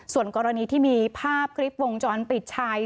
ส่วนกรณีที่มีภาพคลิปวงจรปิดชาย